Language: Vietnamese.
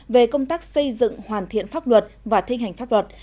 về công tác xây dựng hoàn thiện pháp luật và thi hành pháp luật